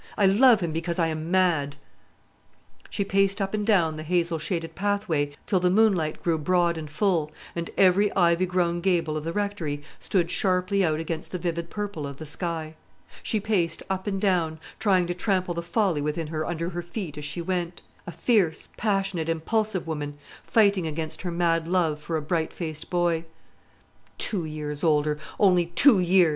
"I love him because I am mad." She paced up and down the hazel shaded pathway till the moonlight grew broad and full, and every ivy grown gable of the Rectory stood sharply out against the vivid purple of the sky. She paced up and down, trying to trample the folly within her under her feet as she went; a fierce, passionate, impulsive woman, fighting against her mad love for a bright faced boy. "Two years older only two years!"